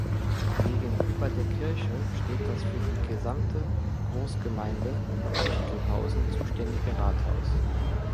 Gegenüber der Kirche steht das für die gesamte Großgemeinde Üchtelhausen zuständige Rathaus.